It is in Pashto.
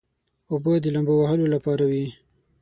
اوبه د لامبو وهلو لپاره وي.